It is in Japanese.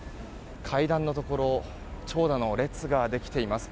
階段のところ長蛇の列ができています。